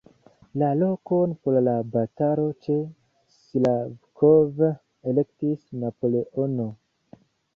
La lokon por la batalo ĉe Slavkov elektis Napoleono.